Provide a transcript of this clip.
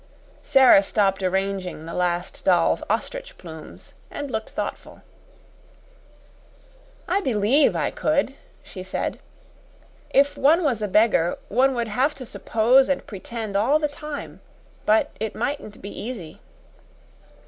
Sara stopped arranging the Last Doll's ostrich plumes, and looked thoughtful. "I BELIEVE I could," she said. "If one was a beggar, one would have to suppose and pretend all the time. But it mightn't be easy."